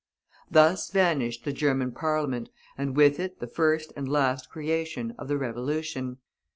Thus vanished the German Parliament, and with it the first and last creation of the Revolution.